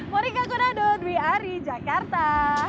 mori kakun adu we are di jakarta